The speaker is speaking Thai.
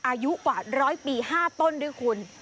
อายุกว่าร้อยปี๕ต้นหรือคุณ